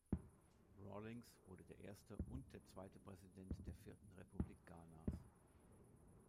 Rawlings wurde der erste und der zweite Präsident der vierten Republik Ghanas.